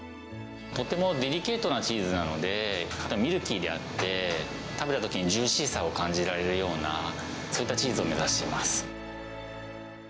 とてもデリケートなチーズなので、あと、ミルキーであって、食べたときにジューシーさを感じられるような、そういったチーズを目指しています。